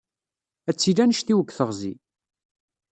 Ad tili annect-iw deg teɣzi.